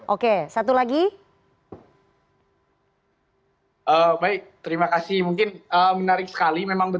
oke satu lagi